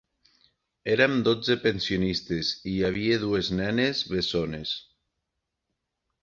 Érem dotze pensionistes, i hi havia dues nenes, bessones.